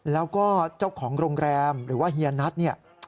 แล้วก็เจ้าของโรงแรมหรือว่าเฮียนัทเนี่ย